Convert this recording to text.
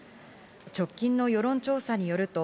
直近の世論調査によると、